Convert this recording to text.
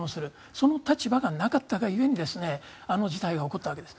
その立場がなかったが故にあの事態が起こったわけです。